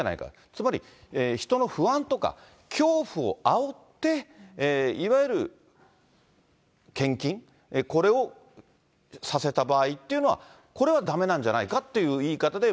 つまり、人の不安とか恐怖をあおって、いわゆる献金、これをさせた場合っていうのは、これはだめなんじゃないかっていう言い方で、